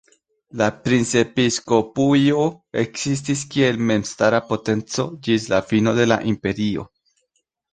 La princepiskopujo ekzistis kiel memstara potenco ĝis la fino de la Imperio.